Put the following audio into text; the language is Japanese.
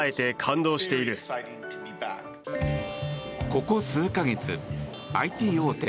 ここ数か月ＩＴ大手